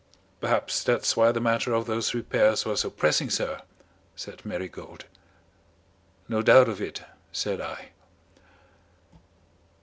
"Perhaps that's why the matter of those repairs was so pressing, sir," said Marigold. "No doubt of it," said I.